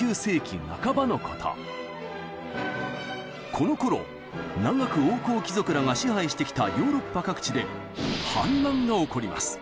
このころ長く王侯貴族らが支配してきたヨーロッパ各地で反乱が起こります。